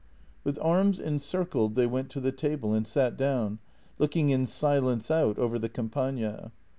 With arms encircled they went to the table and sat down, looking in silence out over the Campagna.